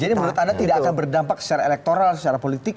jadi menurut anda tidak akan berdampak secara elektoral secara politik